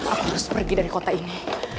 aku harus pergi dari kota ini